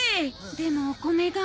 でもお米が。